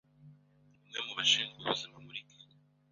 umwe mu bashinzwe ubuzima muri Kenya